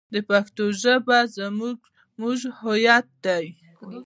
پښتو ژبه زموږ هویت دی.